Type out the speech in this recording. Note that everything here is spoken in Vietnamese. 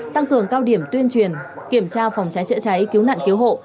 tăng cường cao điểm tuyên truyền kiểm tra phòng trái trợ trái cứu nạn cứu hộ